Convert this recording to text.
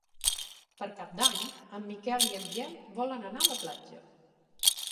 Per Cap d'Any en Miquel i en Biel volen anar a la platja.